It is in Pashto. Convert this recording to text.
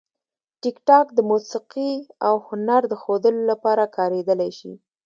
ټیکټاک د موسیقي او هنر د ښودلو لپاره کارېدلی شي.